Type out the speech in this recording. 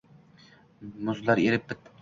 Muzlar erib bitibdi